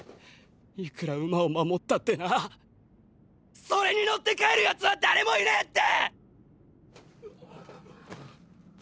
いくら馬を守ったってなぁそれに乗って帰る奴は誰もいねぇって！！